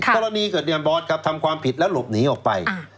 กรณีเกิดเนี่ยบอสครับทำความผิดแล้วหลบหนีออกไป